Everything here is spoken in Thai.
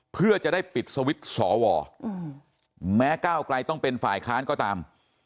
เพื่อจะได้ปิดสวิตช์สวแม้ก้าวไกลต้องเป็นฝ่ายค้านก็ตาม